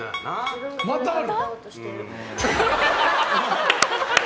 またある。